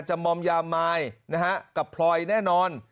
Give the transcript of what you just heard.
จะบอมยามายนะฮะกับพลอยแน่นอน